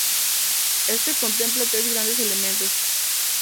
Este contempla tres grandes elementos.